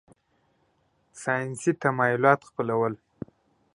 ساینسي تمایلات خپلول.